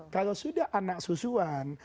kalau sudah anak susuan